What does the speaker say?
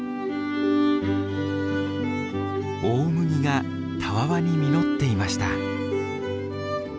大麦がたわわに実っていました。